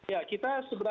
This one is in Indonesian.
ya kita sebenarnya